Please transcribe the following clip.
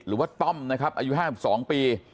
หรือว่าต้อมนะครับอายุ๕๒ปี